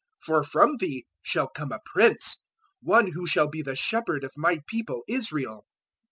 For from thee shall come a prince one who shall be the Shepherd of My People Israel.'"